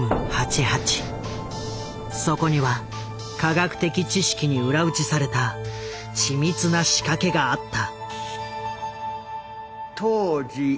そこには科学的知識に裏打ちされた緻密な仕掛けがあった。